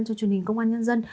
cho truyền hình công an nhân dân